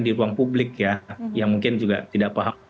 di ruang publik ya yang mungkin juga tidak paham